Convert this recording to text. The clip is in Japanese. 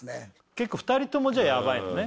結構２人ともじゃヤバいのね